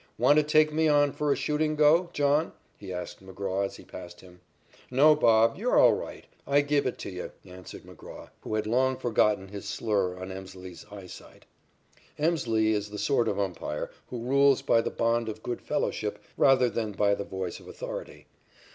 "Want to take me on for a shooting go, John?" he asked McGraw as he passed him. "No, Bob, you're all right. I give it to you," answered McGraw, who had long forgotten his slur on Emslie's eyesight. Emslie is the sort of umpire who rules by the bond of good fellowship rather than by the voice of authority.